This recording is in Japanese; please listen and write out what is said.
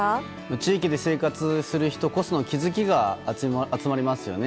地域で生活する人こその気づきが集まりますよね。